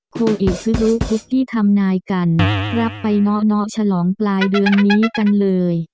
โทษอีกซึ่งรู้ทุกที่ทำนายกันรับไปน้อฉลองปลายเดือนนี้กันเลย